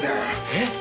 えっ？